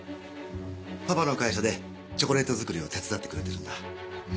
パパの会社でチョコレート作りを手伝ってくれてるんだ。